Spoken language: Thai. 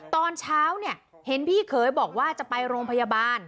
ตอนเช้าเนี่ยเห็นพี่เขยบอกว่าจะไปโรงพยาบาล